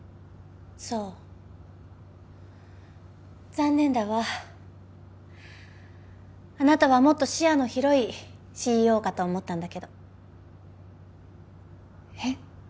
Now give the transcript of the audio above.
そう残念だわあなたはもっと視野の広いＣＥＯかと思ったんだけどえっ？